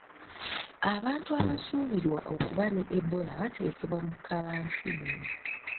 Abantu abasuubirwa okuba ne Ebola batekebwa mu kalantiini.